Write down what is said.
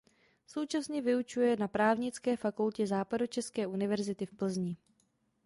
Současně vyučuje na právnické fakultě Západočeské univerzity v Plzni.